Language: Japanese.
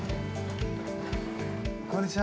こんにちは。